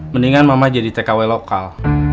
mendingan mama jadi tkw lokal